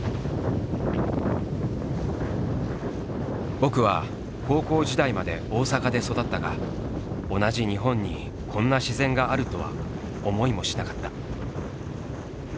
「僕」は高校時代まで大阪で育ったが同じ日本にこんな自然があるとは思いもしなかった。